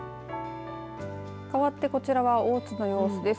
かわってこちらは大津の様子です。